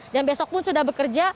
besok pun sudah bekerja